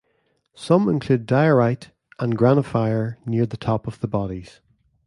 Some include diorite and granophyre near the top of the bodies.